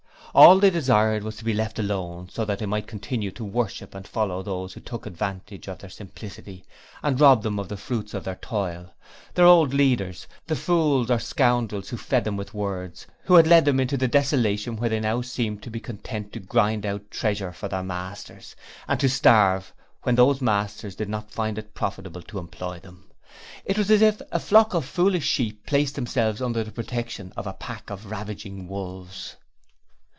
All they desired was to be left alone so that they might continue to worship and follow those who took advantage of their simplicity, and robbed them of the fruits of their toil; their old leaders, the fools or scoundrels who fed them with words, who had led them into the desolation where they now seemed to be content to grind out treasure for their masters, and to starve when those masters did not find it profitable to employ them. It was as if a flock of foolish sheep placed themselves under the protection of a pack of ravening wolves.